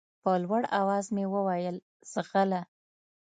په لوړ اواز مې وويل ځغله.